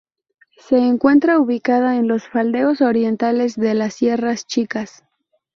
Se encuentra ubicada en los faldeos orientales de las Sierras Chicas.